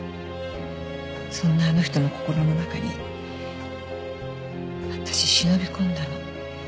そんなあの人の心の中に私忍び込んだの。